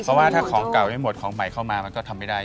เพราะว่าถ้าของเก่าไม่หมดของใหม่เข้ามามันก็ทำไม่ได้